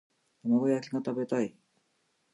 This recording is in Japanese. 玉子焼きが食べたい